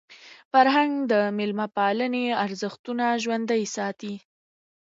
فرهنګ د میلمه پالني ارزښتونه ژوندۍ ساتي.